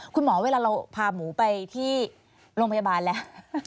เวลาเราพาหมูไปที่โรงพยาบาลแล้ว